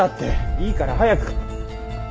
いいから早く。